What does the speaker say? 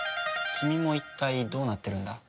君も一体どうなっているんだ？